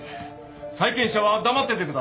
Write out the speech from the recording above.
債権者は黙っててください。